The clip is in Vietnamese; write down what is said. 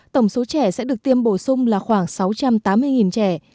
tổng số trẻ sẽ được tiêm bổ sung là khoảng sáu trăm tám mươi trẻ